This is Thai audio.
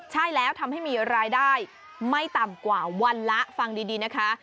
ใช่แล้วทำให้มีรายได้ไม่ต่ำกว่าวันละฟังดีนะคะ